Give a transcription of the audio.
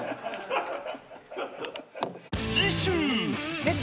［次週］